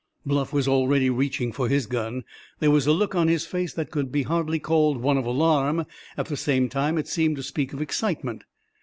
Bluff was already reaching for his gun. There was a look on his face that could hardly be called one of alarm; at the same time it seemed to speak of excitement.